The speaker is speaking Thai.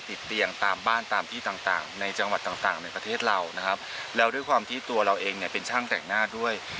ติดเตียงตามบ้านตามที่ต่างต่างในจังหวัดต่างต่างในประเทศเรานะครับแล้วด้วยความที่ตัวเราเองเนี่ยเป็นช่างแต่งหน้าด้วย